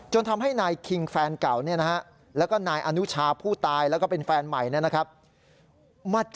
จนทำให้นายคิงแฟนเก่าและนายอนุชาผู้ตายและเป็นแฟนใหม่